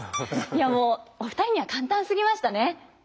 いやもうお二人には簡単すぎましたね。